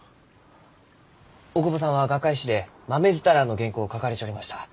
大窪さんは学会誌で「まめづたらん」の原稿を書かれちょりました。